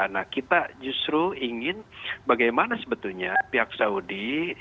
nah kita justru ingin bagaimana sebetulnya pihak saudi